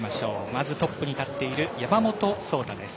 まずトップに立っている山本草太です。